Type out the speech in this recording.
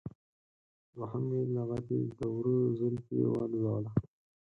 دوهمې لغتې د وره زولفی والوزوله.